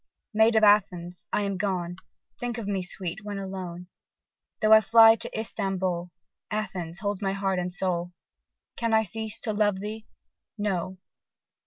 Maid of Athens! I am gone: Think of me, sweet! when alone. Though I fly to Istambol, Athens holds my heart and soul: Can I cease to love thee? No!